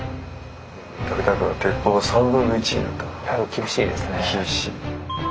厳しいですね。